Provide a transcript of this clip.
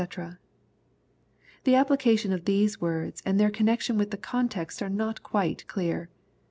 ] The application of these words and their connection with the context are not quite clear.